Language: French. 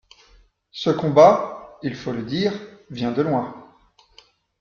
Ce combat – il faut le dire – vient de loin.